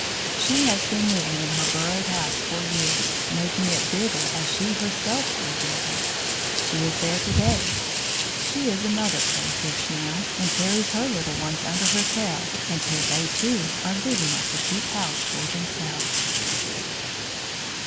She has been living in her burrowed house for years, making it bigger as she herself grew bigger. She is there to day. She is a mother crayfish now, and carries her little ones under her tail until they, too, are big enough to keep house for themselves.